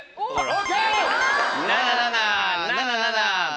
ＯＫ！